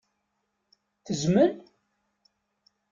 Tezmel?